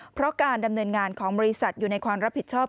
เพราะการดำเนินงานของบริษัทอยู่ในความรับผิดชอบ